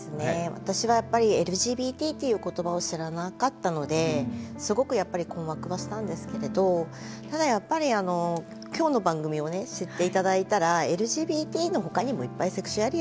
私はやっぱりＬＧＢＴという言葉を知らなかったのですごく困惑はしたんですけれどただやっぱり今日の番組をね知って頂いたらＬＧＢＴの他にもいっぱいセクシュアリティーがあると。